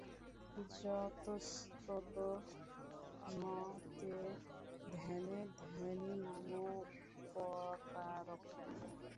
যতস্ততো ন তে ধ্যানে ধ্যানিনামুপকারকাঃ।